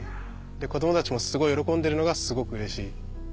子供たちもすごい喜んでるのがすごくうれしい。